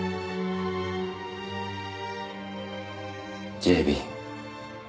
ＪＢ。